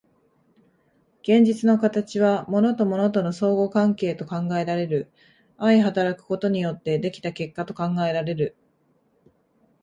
現実の形は物と物との相互関係と考えられる、相働くことによって出来た結果と考えられる。